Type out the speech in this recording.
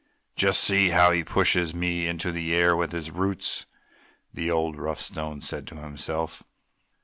"Just see how he pushes me up in the air with his roots!" the old, rough Stone said to himself.